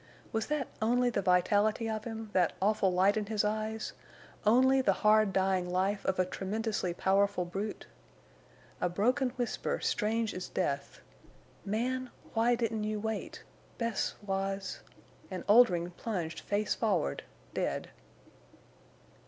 Was that only the vitality of him—that awful light in the eyes—only the hard dying life of a tremendously powerful brute? A broken whisper, strange as death: "Man—why—didn't—you wait! Bess—was—" And Oldring plunged face forward, dead.